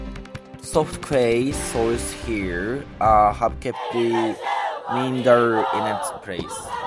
Soft clay soils here have kept the meander in its place.